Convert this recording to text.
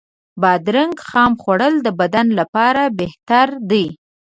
بادرنګ خام خوړل د بدن لپاره بهتر دی.